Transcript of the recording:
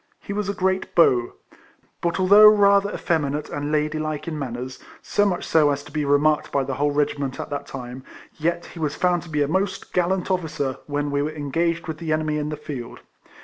He was a great beau ; but although rather effeminate and ladylike in manners, so much so as to be remarked by the whole regiment at that time, yet he was found to be a most gallant officer when we were engaged with the enemy in the field.